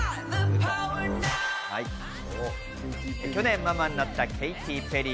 去年、ママになったケイティ・ペリー。